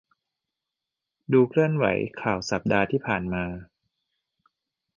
ดูเคลื่อนไหวข่าวสัปดาห์ที่ผ่าน